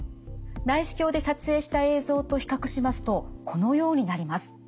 内視鏡で撮影した映像と比較しますとこのようになります。